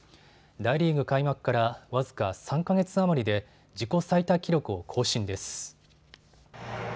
大リーグ開幕から僅か３か月余りで自己最多記録を更新です。